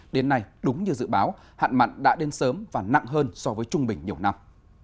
đến nay đúng như dự báo hạn mặn đã đến sớm và nặng hơn so với trung bình nhiều năm